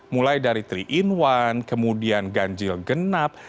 mulai dari tiga in satu kemudian ganjil genap